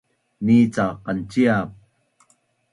Ni cak qanciap